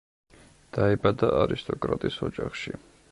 დაიბადა არისტოკრატის ოჯახში.